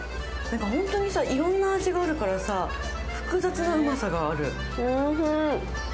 本当にいろいろな味があるからさ、複雑なうまさがある。